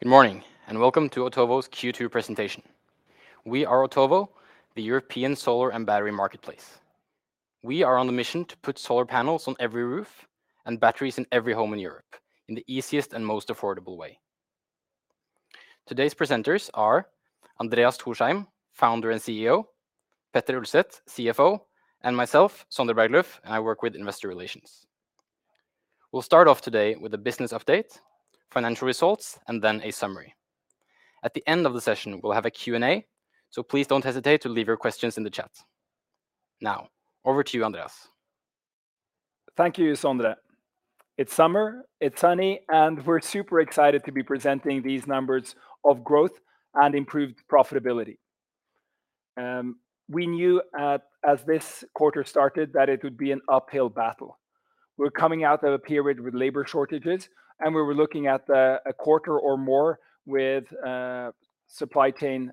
Good morning and Welcome to Otovo's Q2 presentation. We are Otovo, the European solar and battery marketplace. We are on the mission to put solar panels on every roof and batteries in every home in Europe in the easiest and most affordable way. Today's presenters are Andreas Thorsheim, Founder and CEO, Petter Ulset, CFO, and myself, Sondre Breivik, and I work with investor relations. We'll start off today with a business update, financial results, and then a summary. At the end of the session, we'll have a Q&A, so please don't hesitate to leave your questions in the chat. Now, over to you, Andreas. Thank you, Sondre. It's summer, it's sunny, and we're super excited to be presenting these numbers of growth and improved profitability. We knew as this quarter started that it would be an uphill battle. We're coming out of a period with labor shortages, and we were looking at a quarter or more with supply chain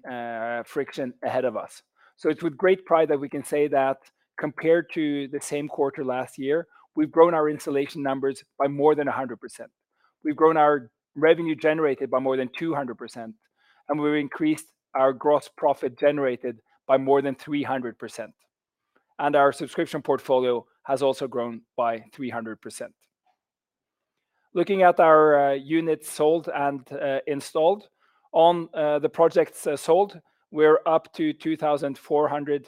friction ahead of us. It's with great pride that we can say that compared to the same quarter last year, we've grown our installation numbers by more than 100%. We've grown our revenue generated by more than 200%, and we've increased our gross profit generated by more than 300%. Our subscription portfolio has also grown by 300%. Looking at our units sold and installed. On the projects sold, we're up to 2,400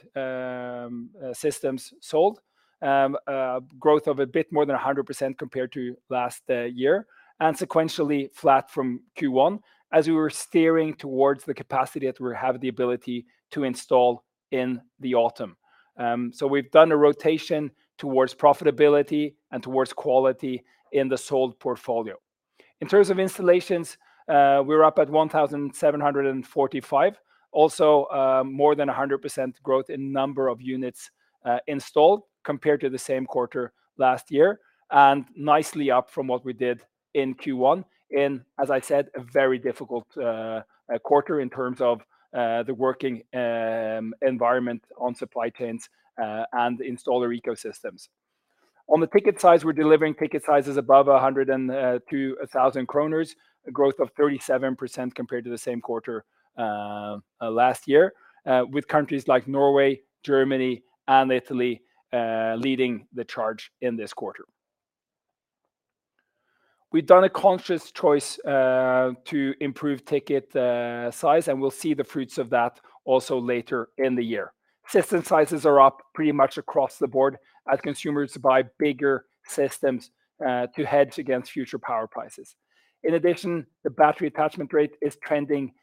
systems sold. A growth of a bit more than 100% compared to last year, and sequentially flat from Q1 as we were steering towards the capacity that we have the ability to install in the autumn. We've done a rotation towards profitability and towards quality in the sold portfolio. In terms of installations, we're up at 1,745. Also, more than 100% growth in number of units installed compared to the same quarter last year, and nicely up from what we did in Q1 in, as I said, a very difficult quarter in terms of the working environment on supply chains and installer ecosystems. On the ticket size, we're delivering ticket sizes above 100-1,000 kroner, a growth of 37% compared to the same quarter last year, with countries like Norway, Germany and Italy leading the charge in this quarter. We've done a conscious choice to improve ticket size, and we'll see the fruits of that also later in the year. System sizes are up pretty much across the board as consumers buy bigger systems to hedge against future power prices. In addition, the battery attachment rate is trending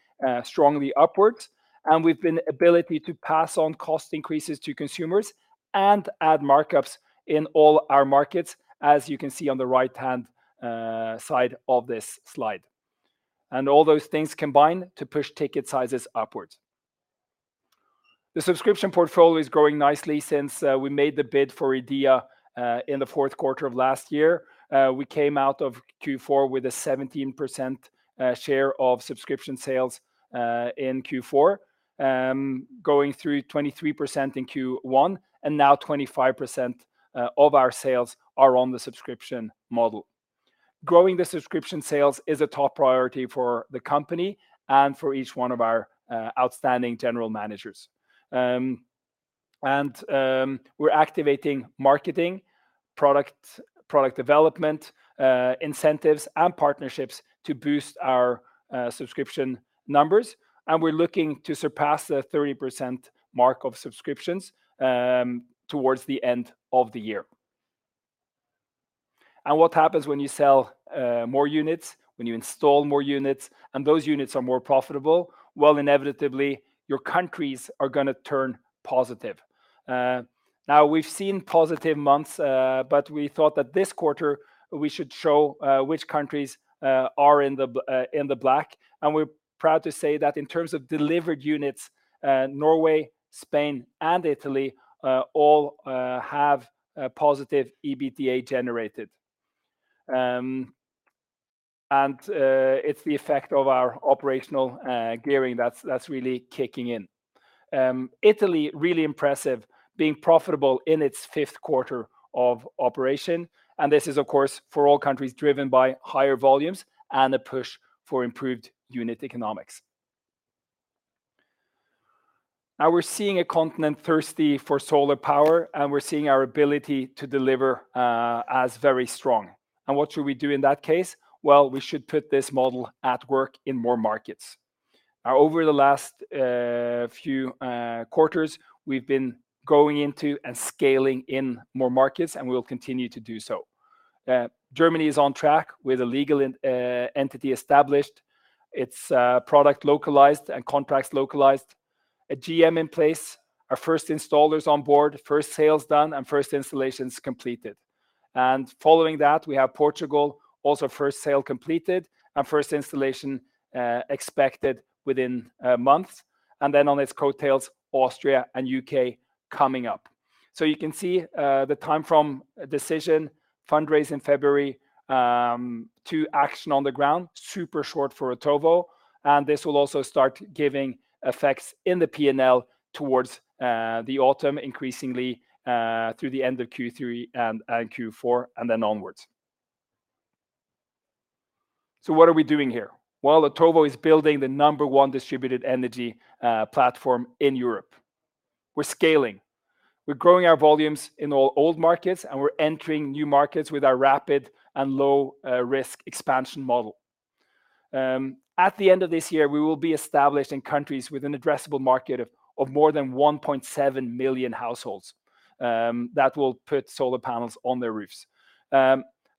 strongly upwards, and we've been able to pass on cost increases to consumers and add markups in all our markets, as you can see on the right-hand side of this slide. All those things combine to push ticket sizes upwards. The subscription portfolio is growing nicely since we made the bid for EDEA in the fourth quarter of last year. We came out of Q4 with a 17% share of subscription sales in Q4, going through 23% in Q1, and now 25% of our sales are on the subscription model. Growing the subscription sales is a top priority for the company and for each one of our outstanding general managers. We're activating marketing, product development, incentives and partnerships to boost our subscription numbers, and we're looking to surpass the 30% mark of subscriptions towards the end of the year. What happens when you sell more units, when you install more units and those units are more profitable? Well, inevitably, your countries are gonna turn positive. Now we've seen positive months, but we thought that this quarter we should show which countries are in the black. We're proud to say that in terms of delivered units, Norway, Spain and Italy all have a positive EBITDA generated. It's the effect of our operational gearing that's really kicking in. Italy, really impressive, being profitable in its fifth quarter of operation. This is, of course, for all countries driven by higher volumes and a push for improved unit economics. Now we're seeing a continent thirsty for solar power, and we're seeing our ability to deliver as very strong. What should we do in that case? Well, we should put this model at work in more markets. Over the last few quarters, we've been going into and scaling in more markets, and we will continue to do so. Germany is on track with a legal entity established, its product localized and contracts localized, a GM in place, our first installers on board, first sales done, and first installations completed. Following that, we have Portugal, also first sale completed and first installation expected within months. Then on its coattails, Austria and U.K. coming up. You can see the time from decision, fundraise in February, to action on the ground, super short for Otovo, and this will also start giving effects in the P&L towards the autumn, increasingly through the end of Q3 and Q4, and then onwards. What are we doing here? Otovo is building the number one distributed energy platform in Europe. We're scaling. We're growing our volumes in all our markets, and we're entering new markets with our rapid and low risk expansion model. At the end of this year, we will be established in countries with an addressable market of more than 1.7 million households that will put solar panels on their roofs.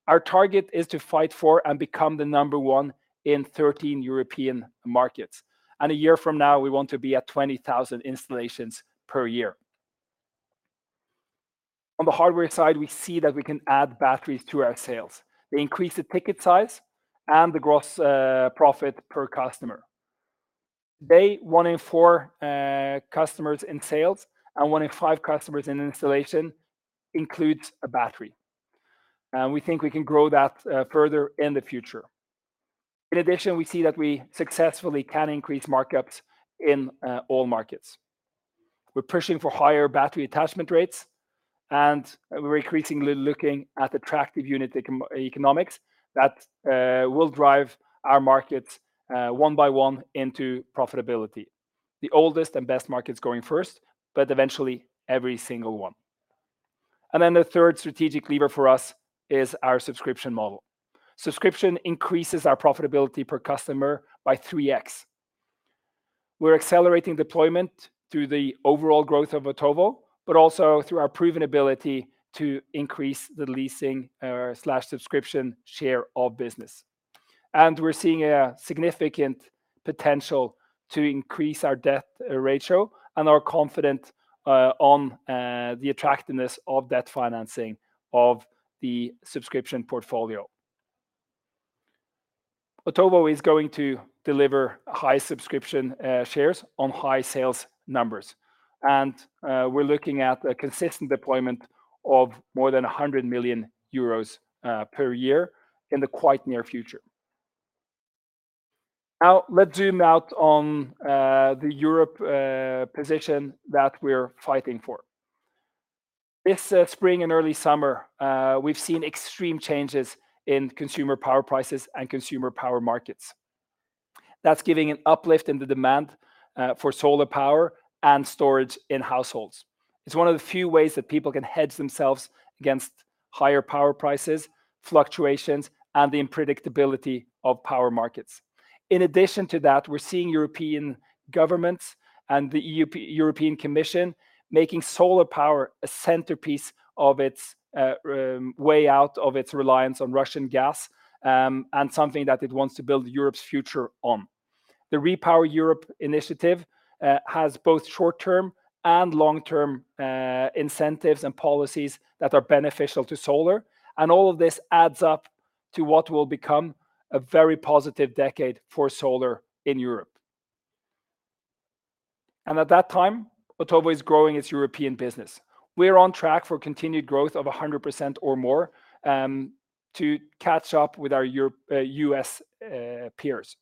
Our target is to fight for and become the number one in 13 European markets. A year from now, we want to be at 20,000 installations per year. On the hardware side, we see that we can add batteries to our sales. They increase the ticket size and the gross profit per customer. Today, one in four customers in sales and one in five customers in installation includes a battery. We think we can grow that further in the future. In addition, we see that we successfully can increase markups in all markets. We're pushing for higher battery attachment rates, and we're increasingly looking at attractive unit economics that will drive our markets one by one into profitability. The oldest and best markets growing first, but eventually every single one. Then the third strategic lever for us is our subscription model. Subscription increases our profitability per customer by 3x. We're accelerating deployment through the overall growth of Otovo, but also through our proven ability to increase the leasing or slash subscription share of business. We're seeing a significant potential to increase our debt ratio and are confident on the attractiveness of debt financing of the subscription portfolio. Otovo is going to deliver high subscription shares on high sales numbers, and we're looking at a consistent deployment of more than 100 million euros per year in the quite near future. Now, let's zoom out on the European position that we're fighting for. This spring and early summer, we've seen extreme changes in consumer power prices and consumer power markets. That's giving an uplift in the demand for solar power and storage in households. It's one of the few ways that people can hedge themselves against higher power prices, fluctuations, and the unpredictability of power markets. In addition to that, we're seeing European governments and the European Commission making solar power a centerpiece of its way out of its reliance on Russian gas, and something that it wants to build Europe's future on. The REPowerEU initiative has both short-term and long-term incentives and policies that are beneficial to solar. All of this adds up to what will become a very positive decade for solar in Europe. At that time, Otovo is growing its European business. We're on track for continued growth of 100% or more to catch up with our U.S. peers.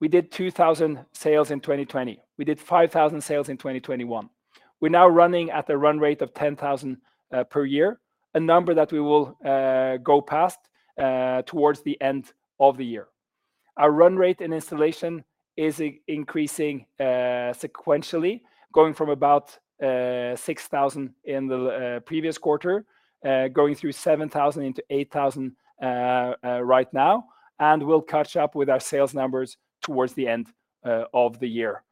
We did 2,000 sales in 2020. We did 5,000 sales in 2021. We're now running at a run rate of 10,000 per year, a number that we will go past towards the end of the year. Our run rate in installation is increasing sequentially, going from about 6,000 in the previous quarter, going through 7,000 into 8,000 right now, and we'll catch up with our sales numbers towards the end of the year.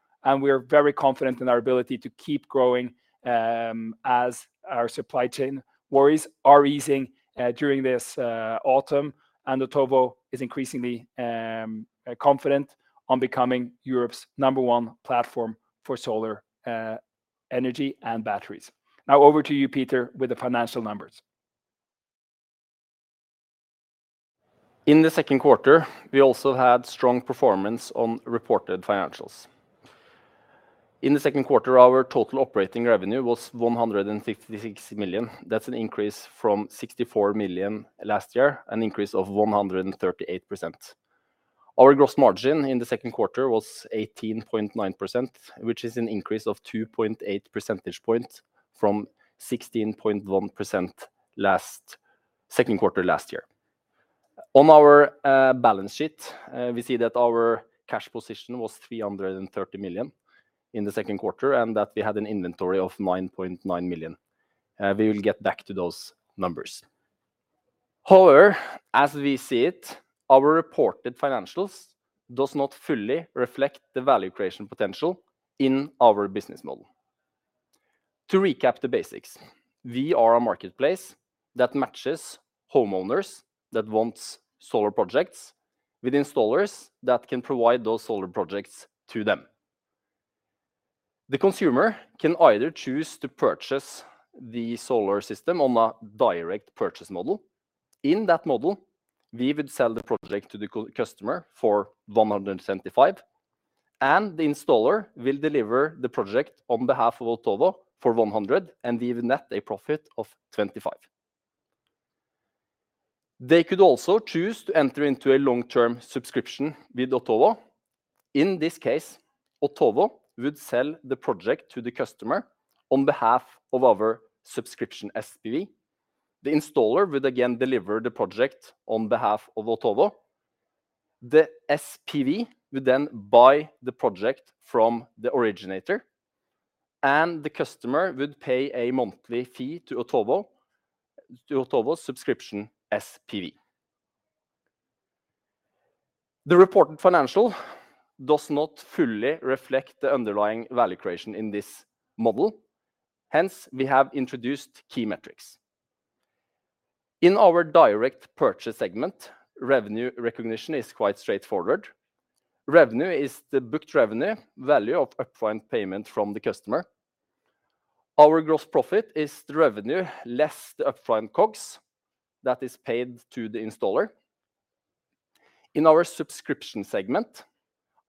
We are very confident in our ability to keep growing, as our supply chain worries are easing during this autumn. Otovo is increasingly confident in becoming Europe's number one platform for solar energy and batteries. Now over to you, Petter, with the financial numbers. In the second quarter, we also had strong performance on reported financials. In the second quarter, our total operating revenue was 156 million. That's an increase from 64 million last year, an increase of 138%. Our gross margin in the second quarter was 18.9%, which is an increase of 2.8 percentage points from 16.1% second quarter last year. On our balance sheet, we see that our cash position was 330 million in the second quarter, and that we had an inventory of 9.9 million. We will get back to those numbers. However, as we see it, our reported financials does not fully reflect the value creation potential in our business model. To recap the basics, we are a marketplace that matches homeowners that wants solar projects with installers that can provide those solar projects to them. The consumer can either choose to purchase the solar system on a direct purchase model. In that model, we would sell the project to the customer for 175, and the installer will deliver the project on behalf of Otovo for 100, and we would net a profit of 25. They could also choose to enter into a long-term subscription with Otovo. In this case, Otovo would sell the project to the customer on behalf of our subscription SPV. The installer would again deliver the project on behalf of Otovo. The SPV would then buy the project from the originator, and the customer would pay a monthly fee to Otovo, to Otovo's subscription SPV. The reported financials do not fully reflect the underlying value creation in this model. Hence, we have introduced key metrics. In our direct purchase segment, revenue recognition is quite straightforward. Revenue is the booked revenue value of upfront payment from the customer. Our gross profit is the revenue less the upfront COGS that is paid to the installer. In our subscription segment,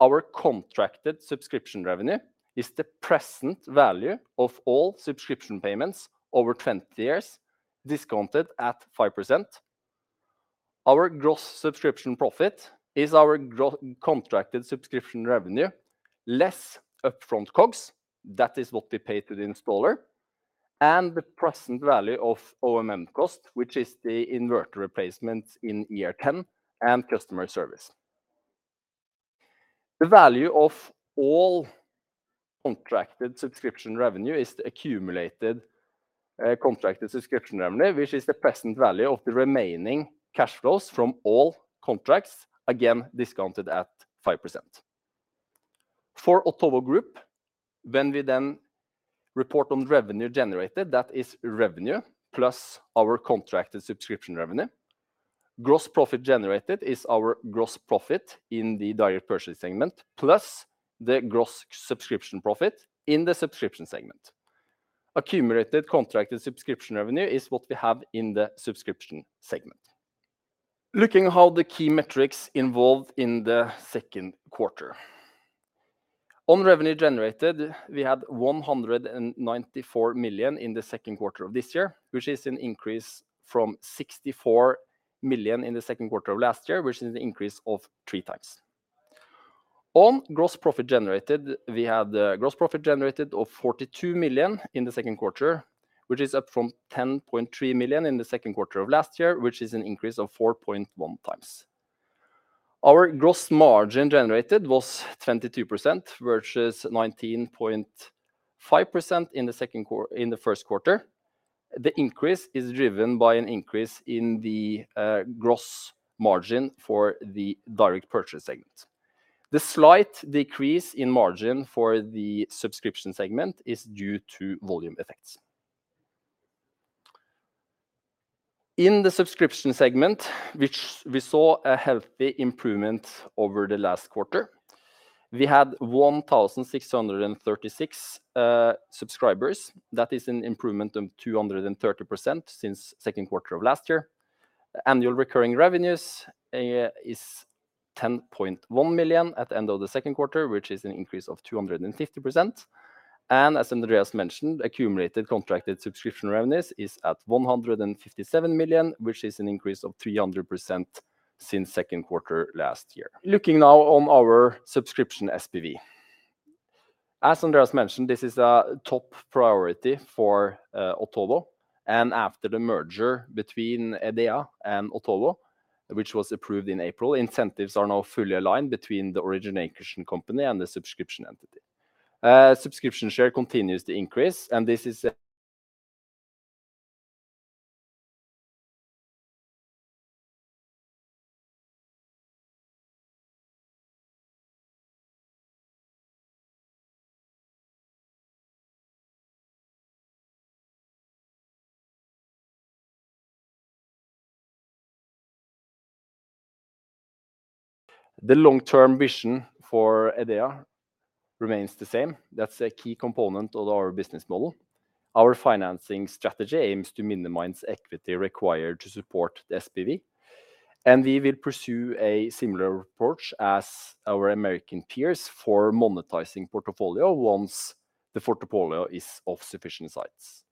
our contracted subscription revenue is the present value of all subscription payments over 20 years, discounted at 5%. Our gross subscription profit is our contracted subscription revenue, less upfront COGS. That is what we paid the installer, and the present value of O&M costs, which is the inverter replacement in year 10 and customer service. The value of all contracted subscription revenue is the accumulated contracted subscription revenue, which is the present value of the remaining cash flows from all contracts, again discounted at 5%. For Otovo Group, when we then report on revenue generated, that is revenue plus our contracted subscription revenue. Gross profit generated is our gross profit in the direct purchase segment, plus the gross subscription profit in the subscription segment. Accumulated contracted subscription revenue is what we have in the subscription segment. Looking how the key metrics involved in the second quarter. On revenue generated, we had 194 million in the second quarter of this year, which is an increase from 64 million in the second quarter of last year, which is an increase of 3x. On gross profit generated, we had the gross profit generated of 42 million in the second quarter, which is up from 10.3 million in the second quarter of last year, which is an increase of 4.1x. Our gross margin generated was 22%, versus 19.5% in the first quarter. The increase is driven by an increase in the gross margin for the direct purchase segment. The slight decrease in margin for the subscription segment is due to volume effects. In the subscription segment, which we saw a healthy improvement over the last quarter, we had 1,636 subscribers. That is an improvement of 230% since second quarter of last year. Annual recurring revenues is 10.1 million at the end of the second quarter, which is an increase of 250%. As Andreas mentioned, accumulated contracted subscription revenues is at 157 million, which is an increase of 300% since second quarter last year. Looking now on our subscription SPV. As Andreas mentioned, this is a top priority for Otovo, and after the merger between EDEA and Otovo, which was approved in April, incentives are now fully aligned between the origination company and the subscription entity. Subscription share continues to increase. The long-term vision for EDEA remains the same. That's a key component of our business model. Our financing strategy aims to minimize equity required to support the SPV, and we will pursue a similar approach as our American peers for monetizing portfolio, once the portfolio is of sufficient size.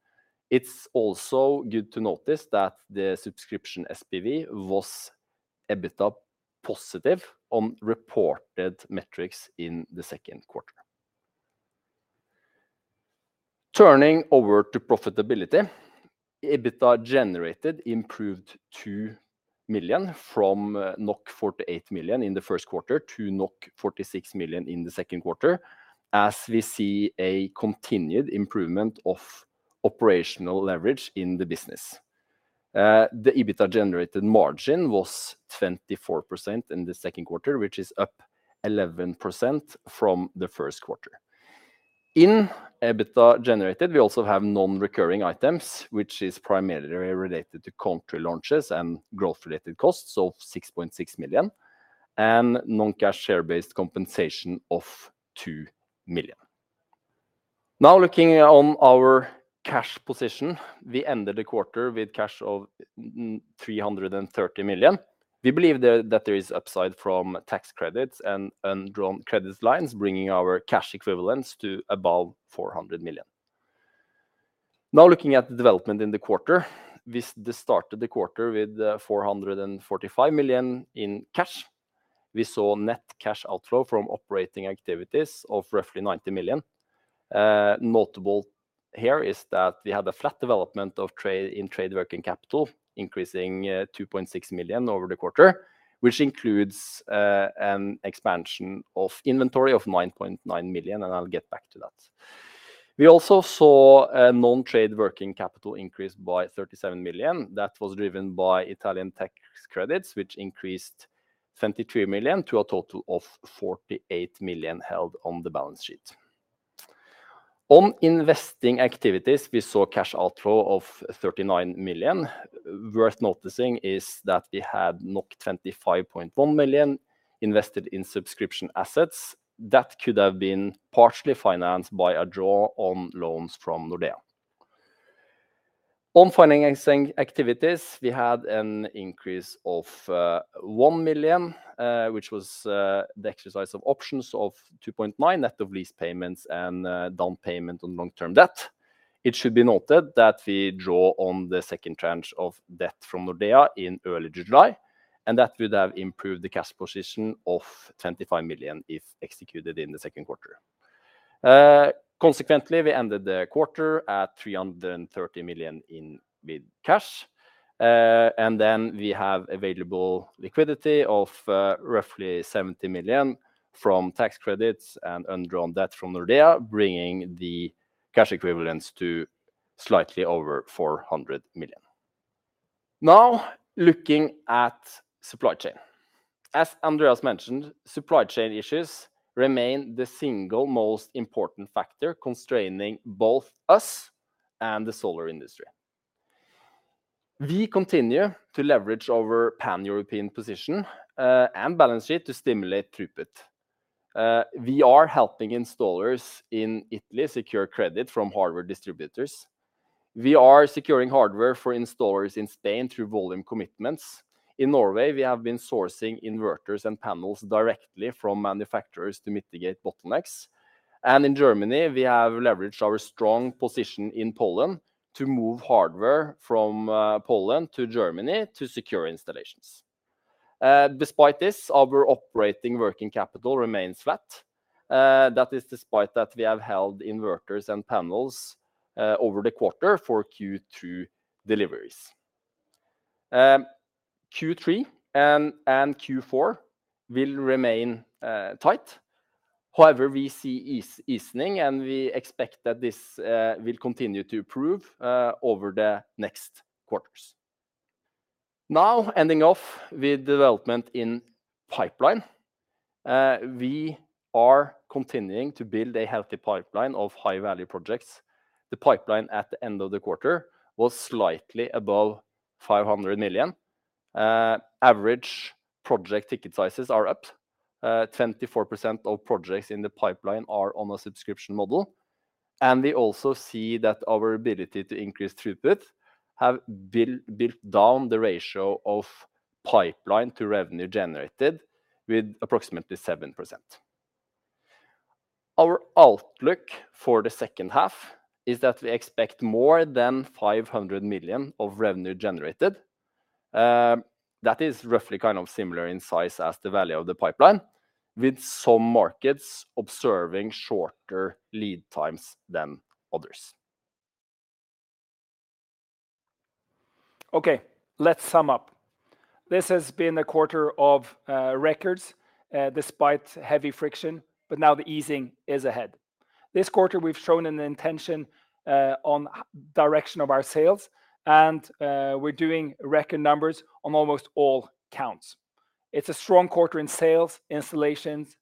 It's also good to notice that the subscription SPV was EBITDA positive on reported metrics in the second quarter. Turning over to profitability, EBITDA generated improved 2 million from 48 million in the first quarter to 46 million in the second quarter. As we see a continued improvement of operational leverage in the business. The EBITDA generated margin was 24% in the second quarter, which is up 11% from the first quarter. In EBITDA generated, we also have non-recurring items, which is primarily related to country launches and growth-related costs of 6.6 million, and non-cash share-based compensation of 2 million. Now looking on our cash position, we ended the quarter with cash of 330 million. We believe that there is upside from tax credits and undrawn credit lines, bringing our cash equivalents to above 400 million. Now looking at the development in the quarter. We started the quarter with 445 million in cash. We saw net cash outflow from operating activities of roughly 90 million. Notable here is that we had a flat development in trade working capital, increasing 2.6 million over the quarter, which includes an expansion of inventory of 9.9 million, and I'll get back to that. We also saw a non-trade working capital increase by 37 million. That was driven by Italian tax credits, which increased 23 million to a total of 48 million held on the balance sheet. On investing activities, we saw cash outflow of 39 million. Worth noticing is that we had 25.1 million invested in subscription assets. That could have been partially financed by a draw on loans from Nordea. On financing activities, we had an increase of 1 million, which was the exercise of options of 2.9 million net of lease payments and down payment on long-term debt. It should be noted that we draw on the second tranche of debt from Nordea in early July, and that would have improved the cash position of 25 million if executed in the second quarter. Consequently, we ended the quarter at 330 million in net cash. We have available liquidity of roughly 70 million from tax credits and undrawn debt from Nordea, bringing the cash equivalents to slightly over 400 million. Now, looking at supply chain. As Andreas mentioned, supply chain issues remain the single most important factor constraining both us and the solar industry. We continue to leverage our pan-European position and balance sheet to stimulate throughput. We are helping installers in Italy secure credit from hardware distributors. We are securing hardware for installers in Spain through volume commitments. In Norway, we have been sourcing inverters and panels directly from manufacturers to mitigate bottlenecks. In Germany, we have leveraged our strong position in Poland to move hardware from Poland to Germany to secure installations. Despite this, our operating working capital remains flat. That is despite that we have held inverters and panels over the quarter for Q2 deliveries. Q3 and Q4 will remain tight. However, we see easing, and we expect that this will continue to improve over the next quarters. Now, ending off with development in pipeline. We are continuing to build a healthy pipeline of high-value projects. The pipeline at the end of the quarter was slightly above 500 million. Average project ticket sizes are up. 24% of projects in the pipeline are on a subscription model. We also see that our ability to increase throughput has brought down the ratio of pipeline to revenue generated with approximately 7%. Our outlook for the second half is that we expect more than 500 million of revenue generated. That is roughly kind of similar in size as the value of the pipeline, with some markets observing shorter lead times than others. Okay, let's sum up. This has been a quarter of records, despite heavy friction, but now the easing is ahead. This quarter, we've shown an intention on direction of our sales, and we're doing record numbers on almost all counts. It's a strong quarter in sales, installations,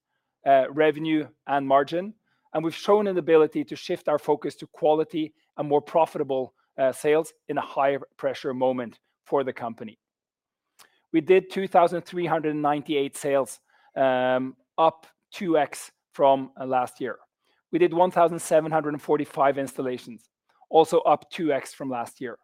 revenue, and margin, and we've shown an ability to shift our focus to quality and more profitable sales in a high-pressure moment for the company. We did 2,398 sales, up 2x from last year. We did 1,745 installations, also up 2x from last year.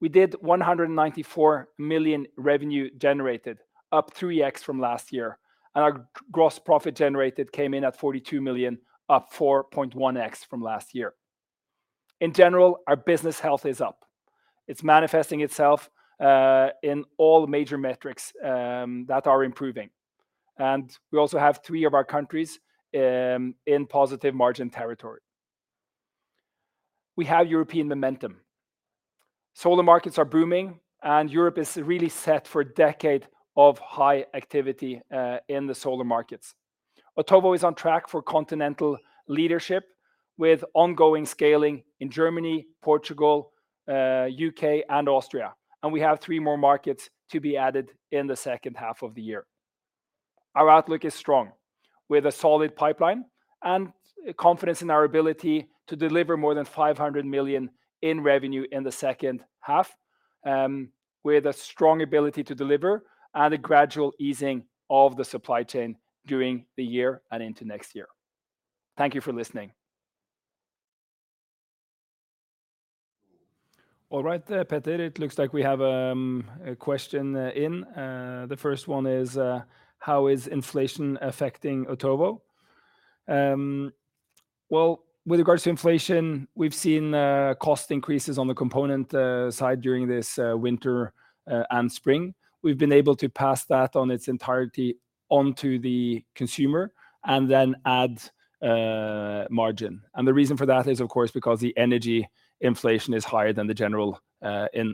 We did 194 million Revenue Generated, up 3x from last year, and our Gross Profit Generated came in at 42 million, up 4.1x from last year. In general, our business health is up. It's manifesting itself in all major metrics that are improving. We also have three of our countries in positive margin territory. We have European momentum. Solar markets are booming, and Europe is really set for a decade of high activity in the solar markets. Otovo is on track for continental leadership with ongoing scaling in Germany, Portugal, U.K., and Austria, and we have three more markets to be added in the second half of the year. Our outlook is strong, with a solid pipeline and confidence in our ability to deliver more than 500 million in revenue in the second half, with a strong ability to deliver and a gradual easing of the supply chain during the year and into next year. Thank you for listening. All right, Petter, it looks like we have a question in. The first one is, how is inflation affecting Otovo? Well, with regards to inflation, we've seen, cost increases on the component, side during this, winter, and spring. We've been able to pass that on its entirety onto the consumer and then add, margin. The reason for that is, of course, because the energy inflation is higher than the general,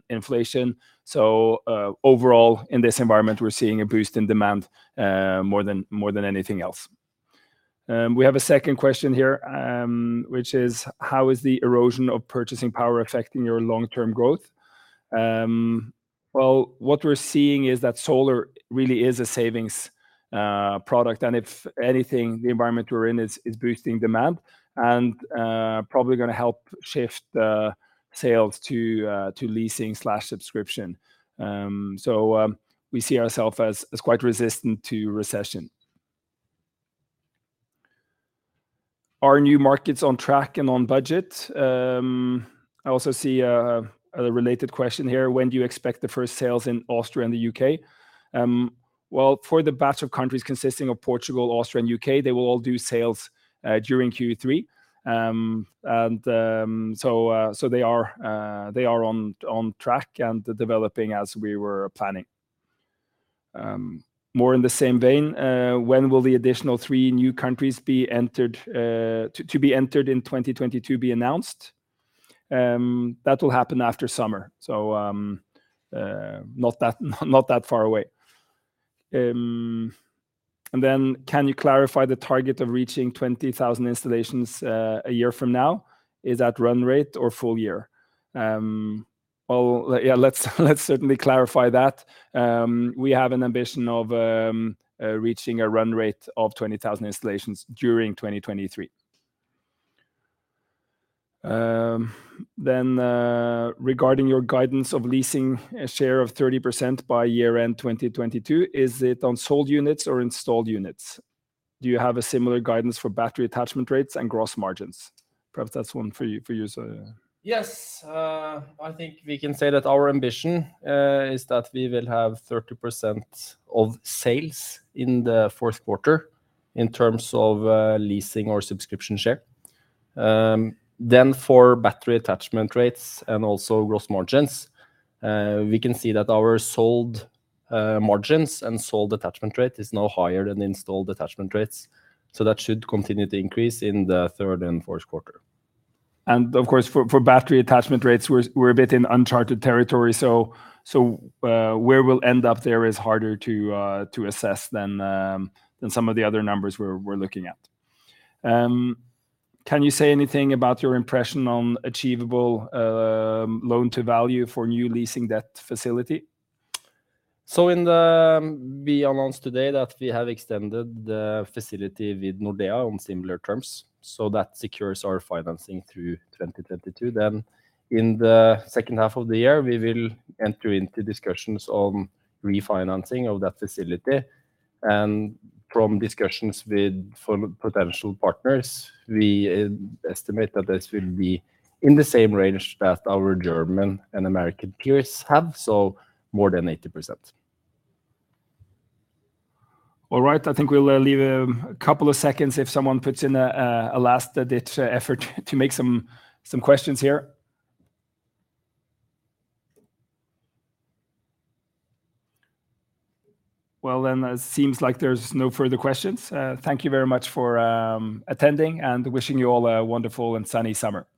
inflation. Overall, in this environment, we're seeing a boost in demand, more than anything else. We have a second question here, which is, how is the erosion of purchasing power affecting your long-term growth? Well, what we're seeing is that solar really is a savings, product. If anything, the environment we're in is boosting demand and, probably gonna help shift the sales to leasing/subscription. We see ourselves as quite resistant to recession. Are new markets on track and on budget? I also see a related question here. When do you expect the first sales in Austria and the U.K.? Well, for the batch of countries consisting of Portugal, Austria and U.K., they will all do sales during Q3. They are on track and developing as we were planning. More in the same vein, when will the additional three new countries to be entered in 2022 be announced? That will happen after summer, so not that far away. Can you clarify the target of reaching 20,000 installations a year from now? Is that run rate or full year? Well, yeah, let's certainly clarify that. We have an ambition of reaching a run rate of 20,000 installations during 2023. Regarding your guidance of leasing a share of 30% by year-end 2022, is it on sold units or installed units? Do you have a similar guidance for battery attachment rates and gross margins? Perhaps that's one for you, Søje. Yes. I think we can say that our ambition is that we will have 30% of sales in the fourth quarter in terms of leasing or subscription share. For battery attachment rates and also gross margins, we can see that our sold margins and sold attachment rate is now higher than installed attachment rates. That should continue to increase in the third and fourth quarter. Of course for battery attachment rates, we're a bit in uncharted territory, where we'll end up there is harder to assess than some of the other numbers we're looking at. Can you say anything about your impression on achievable loan to value for new leasing debt facility? We announced today that we have extended the facility with Nordea on similar terms, so that secures our financing through 2022. In the second half of the year we will enter into discussions on refinancing of that facility. From discussions with potential partners, we estimate that this will be in the same range that our German and American peers have. More than 80%. All right. I think we'll leave a couple of seconds if someone puts in a last-ditch effort to make some questions here. Well, it seems like there's no further questions. Thank you very much for attending and wishing you all a wonderful and sunny summer.